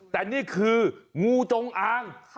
แต่นี่คืองูจงอาง